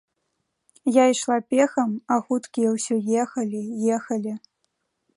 Я ішла пехам, а хуткія ўсё ехалі, ехалі.